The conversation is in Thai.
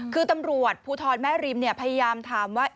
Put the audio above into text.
คือตำรวจภูทรแม่ริมเนี่ยพยายามทำว่า